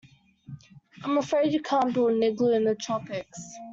I'm afraid you can't build an igloo in the tropics.